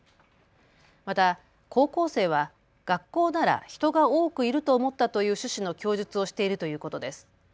また高校生は学校なら人が多くいると思ったという趣旨の供述をしているということです。